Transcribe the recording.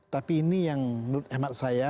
tapi ini yang menurut hemat saya